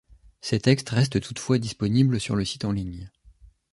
Ses textes restent toutefois disponibles sur le site en ligne.